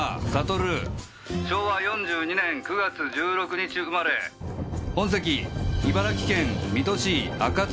「昭和４２年９月１６日生まれ」本籍茨城県水戸市赤塚。